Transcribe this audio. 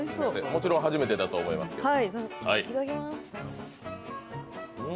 もちろん初めてだと思いますけど。